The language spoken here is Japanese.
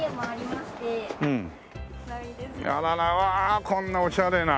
うわあ！こんなおしゃれな。